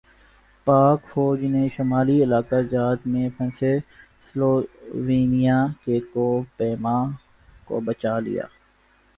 پاک فوج نے شمالی علاقہ جات میں پھنسے سلوینیا کے کوہ پیما کو بچالیا